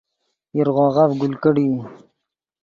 ایرغوغف گل کڑیئی